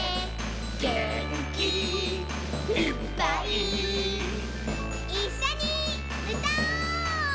「げんきいっぱい」「いっしょにうたおう！」